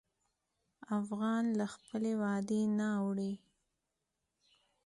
افغان له خپل وعدې نه اوړي.